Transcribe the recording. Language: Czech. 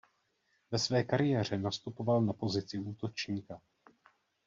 Ve své kariéře nastupoval na pozici útočníka.